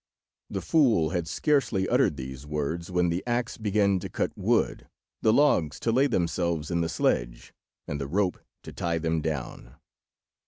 The fool had scarcely uttered these words, when the axe began to cut wood, the logs to lay themselves in the sledge, and the rope to tie them down.